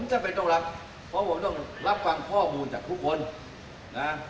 ผมจะเป็นต้องรับเพราะต้องรับความข้อมูลจากทุกคน